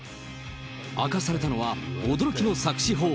明かされたのは、驚きの作詞法。